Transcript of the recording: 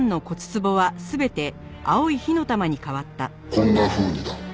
「こんなふうにだ」